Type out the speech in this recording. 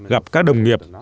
gặp các đồng nghiệp